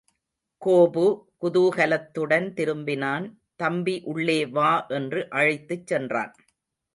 கோபு குதூகலத்துடன் திரும்பினான் தம்பி உள்ளே வா என்று அழைத்துச் சென்றான்.